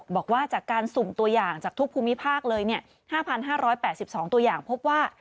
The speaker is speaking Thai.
บอกว่าจากการสุ่มตัวอย่างจากทุกภูมิภาคเลย๕๕๘๒ตัวอย่างพบว่า